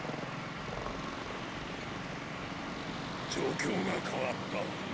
状況が変わった。